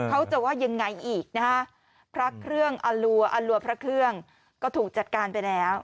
เขาจะว่ายังไงอีกนะฮะพระเครื่องอลัวอลัวพระเครื่องก็ถูกจัดการไปแล้ว